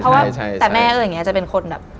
เพราะว่าแต่แม่ก็อย่างนี้จะเป็นคนแบบ